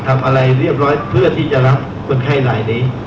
ทำอะไรเรียบร้อยเพื่อที่จะรับคนไข้ลายนี้